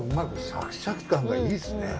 シャキシャキ感がいいっすね。